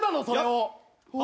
それを！